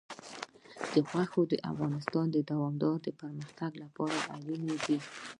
غوښې د افغانستان د دوامداره پرمختګ لپاره اړین دي.